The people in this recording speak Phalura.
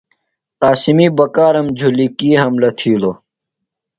قاسمی بکارم جُھلیۡ کی حملہ تِھیلوۡ؟